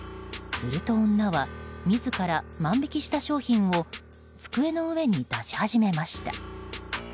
すると女は、自ら万引きした商品を机の上に出し始めました。